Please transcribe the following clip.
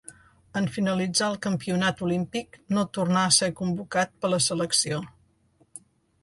En finalitzar el campionat olímpic no tornà a ser convocat per la selecció.